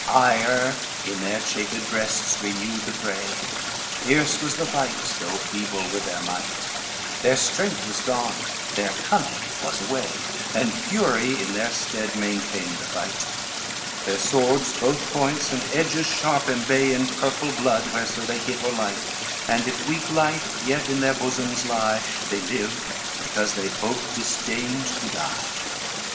LXII Ire in their chafed breasts renewed the fray, Fierce was the fight, though feeble were their might, Their strength was gone, their cunning was away, And fury in their stead maintained the fight, Their swords both points and edges sharp embay In purple blood, whereso they hit or light, And if weak life yet in their bosoms lie, They lived because they both disdained to die.